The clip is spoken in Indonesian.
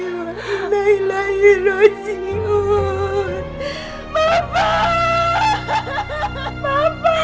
papa jangan pergi papa